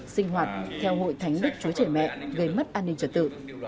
sinh hoạt theo hội thánh đức chúa trời mẹ gây mất an ninh trật tự